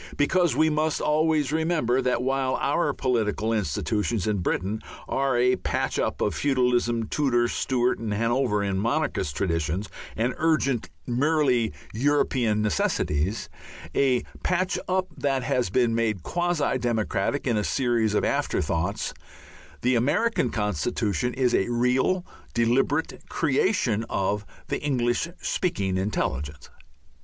(Because we must always remember that while our political institutions in Britain are a patch up of feudalism, Tudor, Stuart, and Hanoverian monarchist traditions and urgent merely European necessities, a patch up that has been made quasi democratic in a series of after thoughts, the American Constitution is a real, deliberate creation of the English speaking intelligence.)